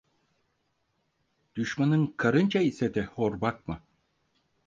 Düşmanın karınca ise de hor bakma.